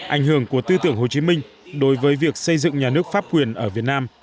ảnh hưởng của tư tưởng hồ chí minh đối với việc xây dựng nhà nước pháp quyền ở việt nam